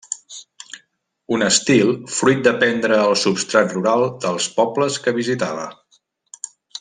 Un estil fruit de prendre el substrat rural dels pobles que visitava.